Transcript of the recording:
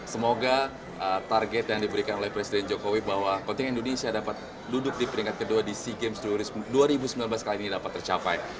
semoga target yang diberikan oleh presiden jokowi bahwa kontingen indonesia dapat duduk di peringkat kedua di sea games dua ribu sembilan belas kali ini dapat tercapai